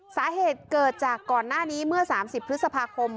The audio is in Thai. สาเหตุเกิดจากก่อนหน้านี้เมื่อ๓๐พฤษภาคม